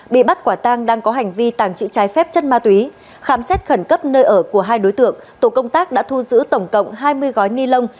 bị bắt quả tang đang có hành vi tàng trữ trái phép chất ma túy khám xét khẩn cấp nơi ở của hai đối tượng tổ công tác đã thu giữ tổng cộng hai mươi gói ni lông